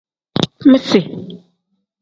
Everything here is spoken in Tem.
Misi.